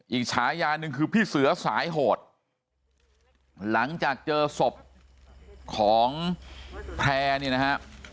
ฉายาหนึ่งคือพี่เสือสายโหดหลังจากเจอศพของแพร่เนี่ยนะฮะ